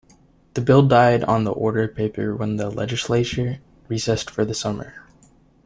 The bill died on the order paper when the legislature recessed for the summer.